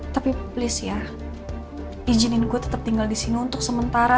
tapi please ya izinin gue tetep tinggal disini untuk sementara